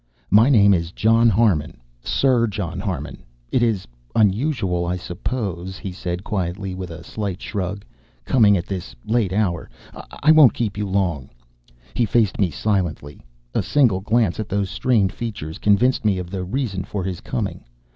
"My name is John Harmon Sir John Harmon. It is unusual, I suppose," he said quietly, with a slight shrug, "coming at this late hour. I won't keep you long." He faced me silently. A single glance at those strained features convinced me of the reason for his coming.